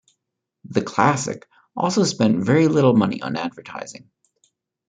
The Classic also spent very little money on advertising.